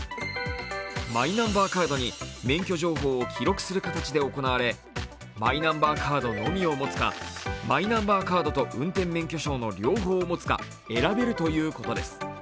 マイナンバーカードに免許情報を記録する形で行われマイナンバーカードのみを持つかマイナンバーカードと運転免許証の両方を持つか選べるということです。